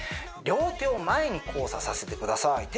両手を前に交差させてください